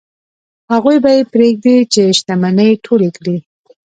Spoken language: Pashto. هغوی به یې پرېږدي چې شتمنۍ ټولې کړي.